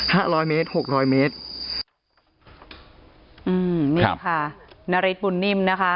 ร้อยเมตรหกร้อยเมตรอืมนี่ค่ะนาริสบุญนิ่มนะคะ